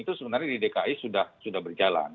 itu sebenarnya di dki sudah berjalan